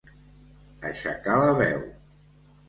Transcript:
Aixecar la veu.